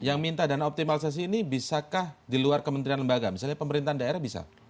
yang minta dana optimalisasi ini bisakah di luar kementerian lembaga misalnya pemerintahan daerah bisa